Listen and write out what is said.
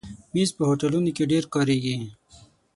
مېز په هوټلونو کې ډېر کارېږي.